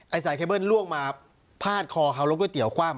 ไอ้สายเคเบิ้ลล่วงมาพาดคอเขาลดเกาะเตี๋ยวคว่ำ